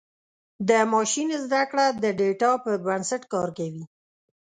د ماشین زدهکړه د ډیټا پر بنسټ کار کوي.